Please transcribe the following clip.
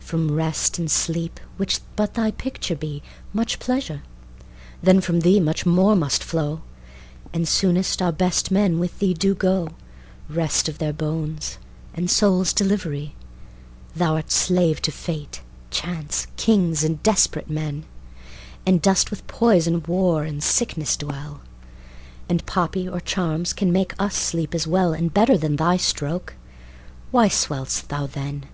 From Rest and Sleep, which but thy picture be, Much pleasure, then from thee much more must flow; And soonest our best men with thee do go Rest of their bones and souls' delivery! Thou'rt slave to fate, chance, kings, and desperate men, And dost with poison, war, and sickness dwell; And poppy or charms can make us sleep as well And better than thy stroke. Why swell'st thou then?